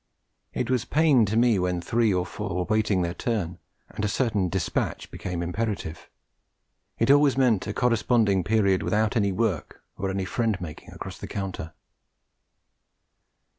It was pain to me when three or four were waiting their turn, and a certain despatch became imperative; it always meant a corresponding period without any work or any friend making across the counter.